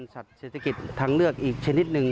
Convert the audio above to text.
เศรษฐกิจทางเลือกอีกชนิดหนึ่ง